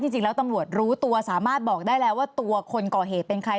จริงแล้วตำรวจรู้ตัวสามารถบอกได้แล้วว่าตัวคนก่อเหตุเป็นใคร